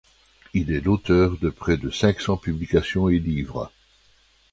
Il est l’auteur de près de cinq cents publications et livres.